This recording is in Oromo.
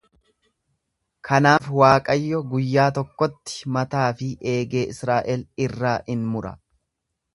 Kanaaf Waaqayyo guyyaa tokkotti mataa fi eegee Israa'el irraa in mura.